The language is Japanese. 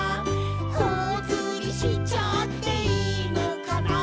「ほおずりしちゃっていいのかな」